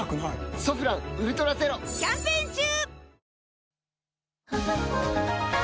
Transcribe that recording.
「ソフランウルトラゼロ」キャンペーン中！